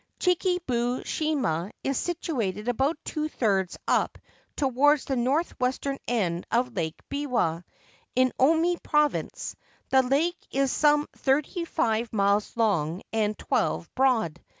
Chikubu shima is situated about two thirds up to wards the north western end of Lake Biwa, in Omi Province. The lake is some thirty five miles long and twelve broad.